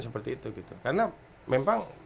seperti itu karena memang